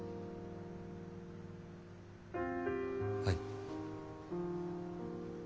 はい。